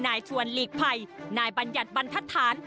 นายทวนลีกภัยนายบรรยัติบรรทธาน